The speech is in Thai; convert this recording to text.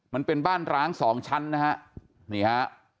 มันเป็นบ้านร้างสองชั้นนะฮะนี่ฮะ